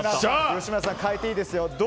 吉村さん変えていいですよ。